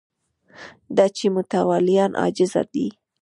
دا چې متولیان عاجزه دي